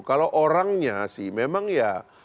kalau orangnya sih memang ya